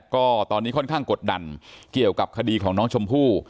ก็ตอนนี้ค่อนข้างกดดันเกี่ยวกับคดีของน้องชมพู่